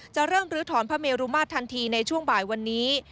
เริ่มลื้อถอนพระเมรุมาตรทันทีในช่วงบ่ายวันนี้